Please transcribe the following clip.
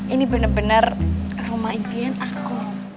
ini benar benar rumah impian aku